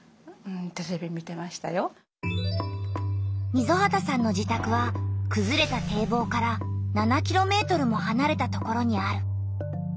溝端さんの自たくはくずれた堤防から７ｋｍもはなれたところにある。